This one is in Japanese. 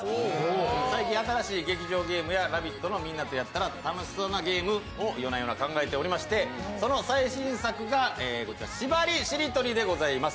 最近新しい劇場ゲームや「ラヴィット！」のみんなとやったら楽しそうなゲームを夜な夜な考えていましてその最新作がこちら、しばりしりとりでございます。